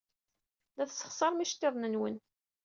La tessexṣarem iceḍḍiḍen-nwen.